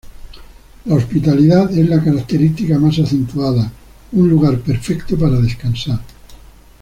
La hospitalidad es la característica más acentuada, un lugar perfecto para descansar.